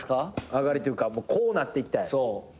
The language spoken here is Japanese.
上がりというかこうなっていきたい。